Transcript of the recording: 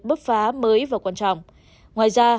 bước phá mới và quan trọng ngoài ra